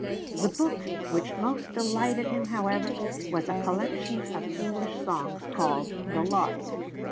The book which most delighted him, however, was a collection of English songs called 'The Lark.'